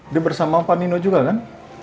dia bersama pak nino juga kan